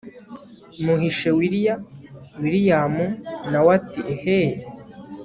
muhishe willia william nawe ati ehee